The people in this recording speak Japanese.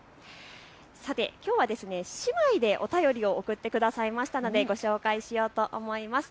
さて、きょうは姉妹でお便りを送ってくださいましたのでご紹介しようと思います。